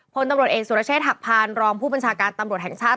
พลตำรวจเอกสุรเชษฐหักพานรองผู้บัญชาการตำรวจแห่งชาติ